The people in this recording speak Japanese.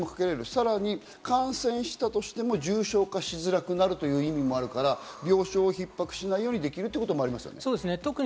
さらに感染したとしても重症化しづらくなるということもあるから、病床がひっ迫しないようにできることもあるということですね。